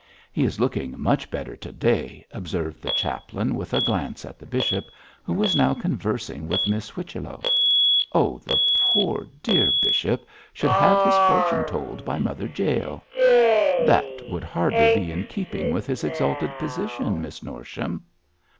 'He is looking much better to day,' observed the chaplain, with a glance at the bishop, who was now conversing with Miss Whichello. 'Oh, the poor, dear bishop should have his fortune told by Mother Jael.' 'That would hardly be in keeping with his exalted position, Miss Norsham.'